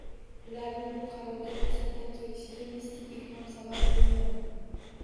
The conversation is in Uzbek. Ularning bu qarorga to‘satdan kelishiga mistik ilhom sabab bo‘lmadi